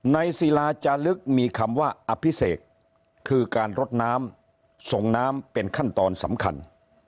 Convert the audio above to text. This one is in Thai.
ศิลาจาลึกมีคำว่าอภิเษกคือการรดน้ำส่งน้ำเป็นขั้นตอนสำคัญ